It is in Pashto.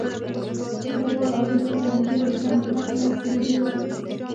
چوپړوال او د هغه ملګري ته مې لس لس لېرې ورکړې.